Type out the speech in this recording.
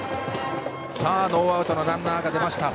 ノーアウトのランナーが出ました